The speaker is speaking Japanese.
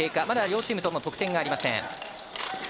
まだ両チームとも得点がありません。